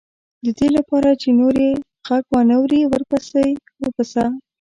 د دې لپاره چې نور یې غږ وانه وري ورسره وپسه.